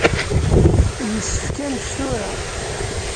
Yessefk ad nečč tura.